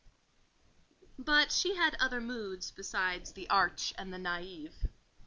But she had other moods besides the arch and naïve.